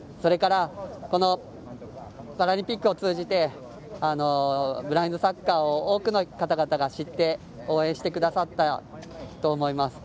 このパラリンピックを通じてブラインドサッカーを多くの方々が知って応援してくださったと思います。